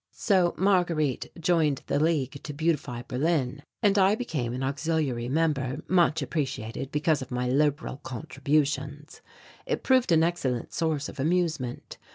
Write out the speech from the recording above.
So Marguerite joined the League to Beautify Berlin and I became an auxiliary member much appreciated because of my liberal contributions. It proved an excellent source of amusement.